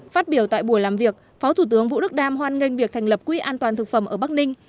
phát biểu tại buổi làm việc phó thủ tướng vũ đức đam hoan nghênh việc thành lập quỹ an toàn thực phẩm ở bắc ninh